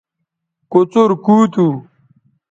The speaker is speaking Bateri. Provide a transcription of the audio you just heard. کوڅر کُو تھو